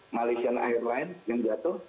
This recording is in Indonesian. malaysian airline yang jatuh